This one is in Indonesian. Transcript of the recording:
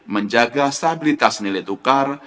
menjaga stabilitas nilai tukar